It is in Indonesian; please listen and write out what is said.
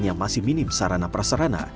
yang masih minim sarana prasarana